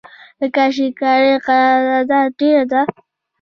د کاشي کارۍ تقاضا ډیره ده